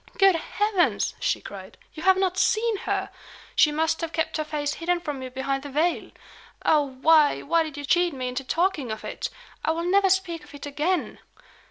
"Good heavens!" she cried, "you have not seen her! She must have kept her face hidden from you behind the veil! Oh, why, why did you cheat me into talking of it! I will never speak of it again.